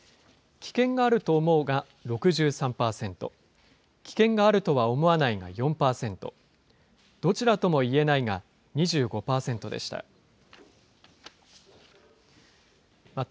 危険があると思うが６３％、危険があるとは思わないが４％、どちらともいえないが２５％でした。